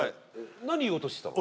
何言おうとしてたの？